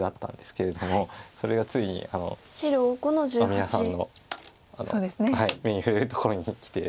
皆様の目に触れるところにきて。